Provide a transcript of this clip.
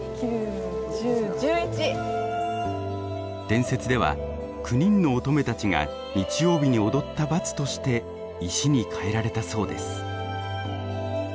伝説では９人の乙女たちが日曜日に踊った罰として石に変えられたそうです。